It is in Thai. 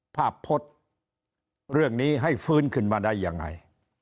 พจน์เรื่องนี้ให้ฟื้นขึ้นมาได้ยังไง